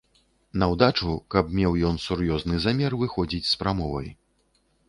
Наўдачу, каб меў ён сур'ёзны замер выходзіць з прамовай.